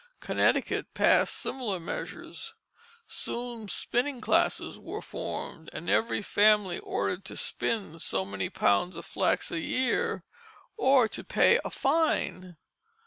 Connecticut passed similar measures. Soon spinning classes were formed, and every family ordered to spin so many pounds of flax a year, or to pay a fine.